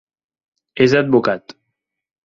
És advocat.